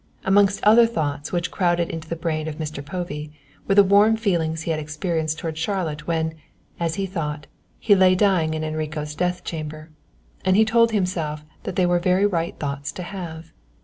Amongst other thoughts which crowded into the brain of Mr. Povey were the warm feelings he had experienced towards Charlotte when, as he thought, he lay dying in Enrico's death chamber, and he told himself that they were very right thoughts to have.